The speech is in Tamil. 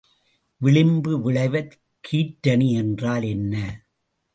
விளிம்பு விளைவுக் கீற்றணி என்றால் என்ன?